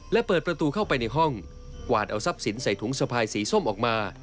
และเปิดประตูเข้าไปในห้องกวาดเอาทรัพย์สินใส่ถุงสะพายสีส้มออกมา